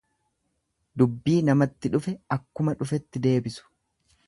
Dubbii namatti dhufe akkuma dhufetti deebisu.